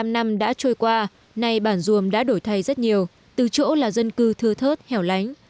bảy mươi năm năm đã trôi qua nay bản duồm đã đổi thay rất nhiều từ chỗ là dân cư thưa thớt hẻo lánh